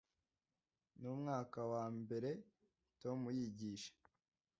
numwaka wa mbere tom yigisha